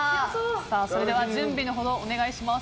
それでは準備のほどをお願いします。